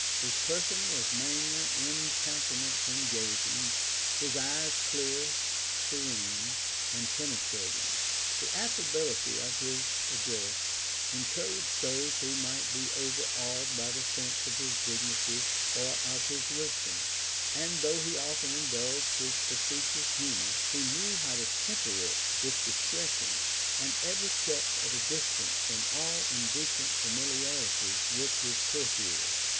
His person was manly, his countenance engaging, his eyes clear serene, and penetrating. The affability of his address encouraged those who might be overawed by the sense of his dignity or of his wisdom; and though he often indulged his facetious humor, he knew how to temper it with discretion, and ever kept at a distance from all indecent familiarities with his courtiers.